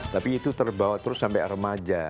tapi itu terbawa terus sampai remaja